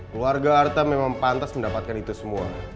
keluarga arta memang pantas mendapatkan itu semua